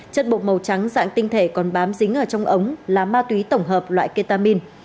chất bột màu trắng dạng tinh thể còn bám dính ở trong ống là ma túy tổng hợp loại ketamin